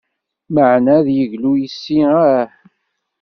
Meɛna ad yeglu yes-i ah!